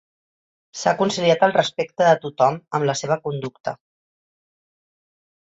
S'ha conciliat el respecte de tothom amb la seva conducta.